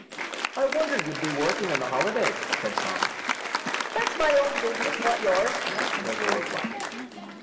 "I wonder you'd be working on the holiday!" said Tom. "That's my own business, not yours," was the reply.